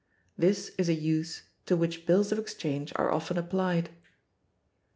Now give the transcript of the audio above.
This is a use to which bills of exchange are often applied.